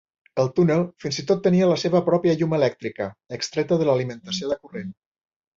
El túnel fins i tot tenia les seva pròpia llum elèctrica, extreta de l'alimentació de corrent.